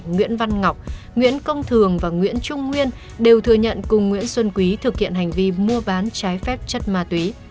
nguyễn văn ngọc nguyễn công thường và nguyễn trung nguyên đều thừa nhận cùng nguyễn xuân quý thực hiện hành vi mua bán trái phép chất ma túy